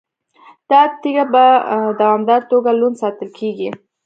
دا تیږه په دوامداره توګه لوند ساتل کیږي.